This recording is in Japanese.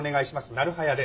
なる早で。